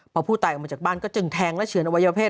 พอผู้ตายออกมาจากบ้านก็จึงแทงและเฉือนอวัยวเพศ